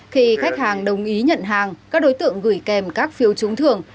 khi khách hàng đồng ý nhận hàng các đối tượng gửi kèm các phiếu trúng thưởng